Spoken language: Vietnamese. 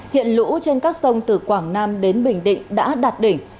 hiện lũ trên các sông từ quảng nam đến bình định đã đạt đỉnh